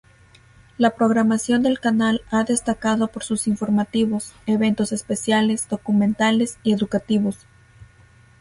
La programación del canal ha destacado por sus informativos, eventos especiales, documentales y educativos.